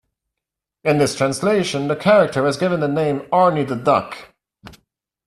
In this translation, the character was given the name "Arnie the Duck".